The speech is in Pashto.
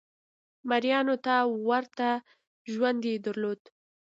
مریانو ته ورته ژوند یې درلود.